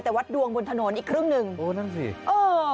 แต่วัดดวงบนถนนอีกครึ่งหนึ่งโอ้นั่นสิเออ